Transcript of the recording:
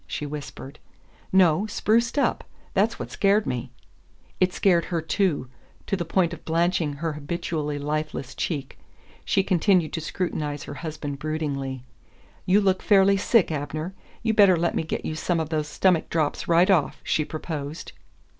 she whispered. "No. Spruced up. That's what scared me." It scared her too, to the point of blanching her habitually lifeless cheek. She continued to scrutinize her husband broodingly. "You look fairly sick, Abner. You better let me get you some of those stomach drops right off," she proposed.